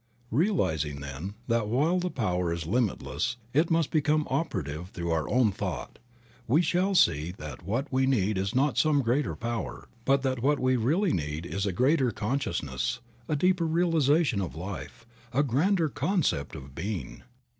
Realizing, then, that while the power is limitless it must become operative through our own thought, we shall see that what we need is not some greater power, but that what we really need is a greater concious ness, a deeper realization of life, a grander concept of being.